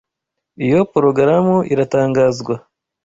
Iyo porogaramu iratangazwa.